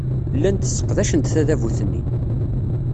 Llant sseqdacent tadabut-nni.